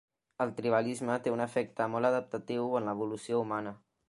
El tribalisme té un efecte molt adaptatiu en l'evolució humana.